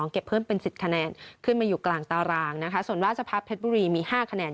เก็บเพิ่มเป็น๑๐คะแนนขึ้นมาอยู่กลางตารางนะคะส่วนราชพัฒนเพชรบุรีมี๕คะแนน